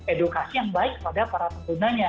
edukasi yang baik kepada para penggunanya